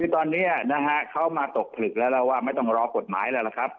ตอนนี้เขามาตกผลึกแล้วแล้วว่าไม่ต้องรอกฎหมายแล้วล่ะครับ